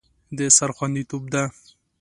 د سر خوندیتوب ده.